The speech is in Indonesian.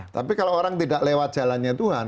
tapi kalau orang tidak lewat jalannya tuhan